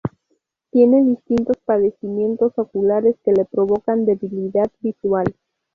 Tiene distintos padecimientos oculares que le provocan debilidad visual.